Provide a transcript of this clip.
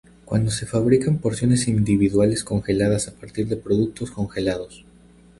Cuando se fabrican porciones individuales congeladas a partir de productos congelados.